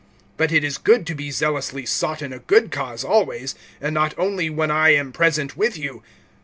(18)But it is good to be zealously sought in a good cause always, and not only when I am present with you.